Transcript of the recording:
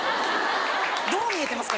どう見えてますか？